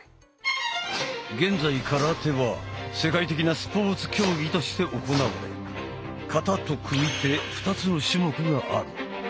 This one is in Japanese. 現在空手は世界的なスポーツ競技として行われ形と組手２つの種目がある。